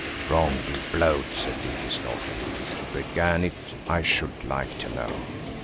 "Wrong be blowed!" said Dicky, snorting; "who began it I should like to know!